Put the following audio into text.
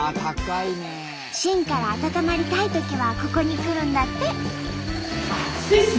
しんから温まりたいときはここに来るんだって。